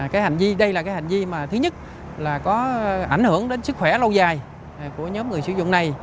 cái hành vi đây là cái hành vi mà thứ nhất là có ảnh hưởng đến sức khỏe lâu dài của nhóm người sử dụng này